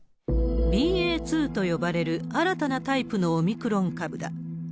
ＢＡ．２と呼ばれる新たなタイプのオミクロン株だ。